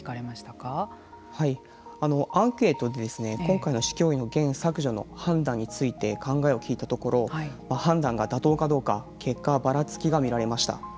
今回の市教委のゲン削除の判断について考えを聞いたところ判断が妥当かどうか結果はばらつきが見られました。